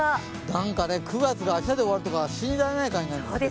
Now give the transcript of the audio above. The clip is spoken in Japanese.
なんかね、９月が明日で終わるとか信じられない感じなんですけど。